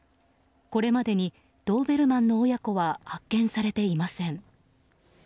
これまでにドーベルマンの親子は発見されていません。